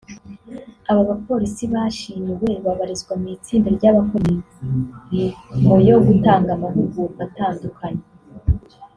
Aba bapolisi bashimiwe babarizwa mu itsinda ry’abakora imirimoyo gutanga amahugurwa atandukanye